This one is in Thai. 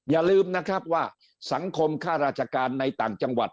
อย่าลืมนะครับว่าสังคมค่าราชการในต่างจังหวัด